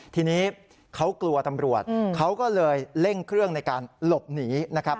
ทีนี้เขากลัวตำรวจเขาก็เลยเร่งเครื่องในการหลบหนีนะครับ